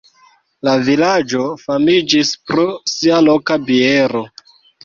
La vilaĝo famiĝis pro sia loka biero.